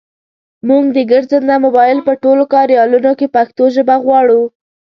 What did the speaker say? مونږ د ګرځنده مبایل په ټولو کاریالونو کې پښتو ژبه غواړو.